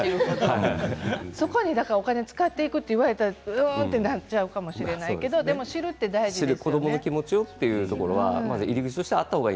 知れば知る程そこにお金を使っていくと言われたらうーんとなっちゃうかもしれないけどでも知るって大事ですよね。